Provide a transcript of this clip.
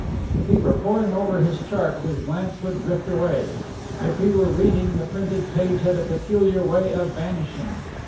If he were poring over his chart, his glance would drift away; if he were reading, the printed page had a peculiar way of vanishing.